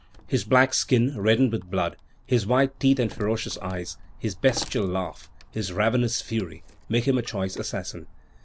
His black skin, reddened with blood, his white teeth and ferocious eyes, his bestial laugh, his ravenous fury, make him a choice assassin.